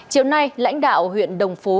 chiều nay lãnh đạo huyện đồng phú